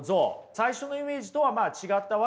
最初のイメージとはまあ違ったわけですよね。